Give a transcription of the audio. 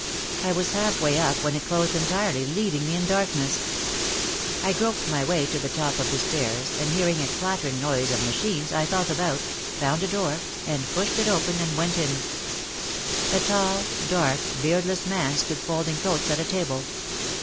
I was half way up when it closed entirely, leaving me in darkness. I groped my way to the top of the stairs and hearing a clattering noise of ma chines, I felt about, found a door, and pushed it open and went in. A tall, dark, beardless man stood folding coats at a table.